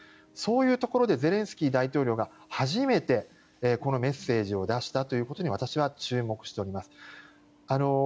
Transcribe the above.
そういうところでゼレンスキー大統領が初めてこのメッセージを出したということに私は注目しております。